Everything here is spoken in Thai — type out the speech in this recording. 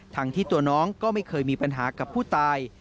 ทั้งที่ตัวน้องก็ไม่เคยมีปัญหากับผู้ตาย